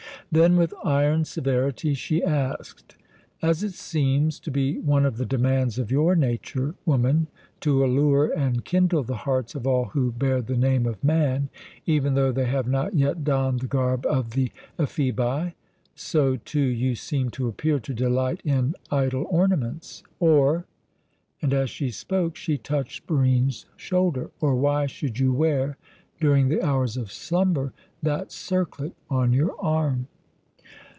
Then, with iron severity, she asked: "As it seems to be one of the demands of your nature, woman, to allure and kindle the hearts of all who bear the name of man, even though they have not yet donned the garb of the Ephebi, so, too, you seem to appear to delight in idle ornaments. Or," and as she spoke she touched Barine's shoulder "or why should you wear, during the hours of slumber, that circlet on your arm?"